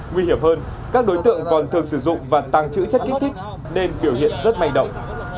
nguy hiểm hơn các đối tượng còn thường sử dụng và tăng chữ chất kích thích nên kiểu hiện rất manh động